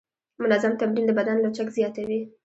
منظم تمرین د بدن لچک زیاتوي.